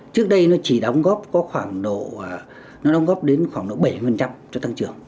trước đây nó chỉ đóng góp đến khoảng độ bảy mươi cho tăng trưởng